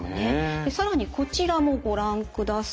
更にこちらもご覧ください。